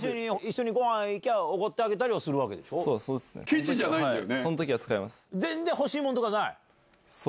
ケチじゃないんだよね。